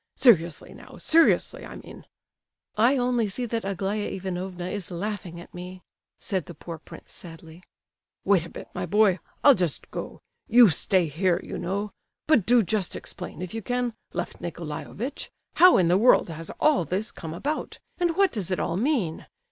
"Seriously now, seriously I mean—" "I only see that Aglaya Ivanovna is laughing at me," said the poor prince, sadly. "Wait a bit, my boy, I'll just go—you stay here, you know. But do just explain, if you can, Lef Nicolaievitch, how in the world has all this come about? And what does it all mean?